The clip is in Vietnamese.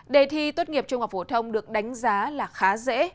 đề thi tốt nghiệp trung học phổ thông được đánh giá là khá dễ